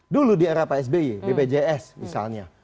dulu di era psby bpjs misalnya